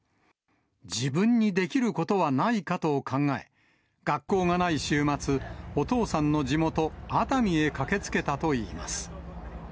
自分にできることはないかと考え、学校がない週末、お父さんの地元、熱海へ駆けつけたといいます。